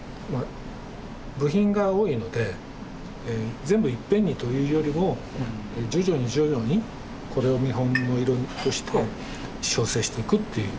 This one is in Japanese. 部品が多いので全部いっぺんにというよりも徐々に徐々にこれを見本の色みとして調整していくという。